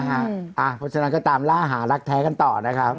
เพราะฉะนั้นก็ตามล่าหารักแท้กันต่อนะครับ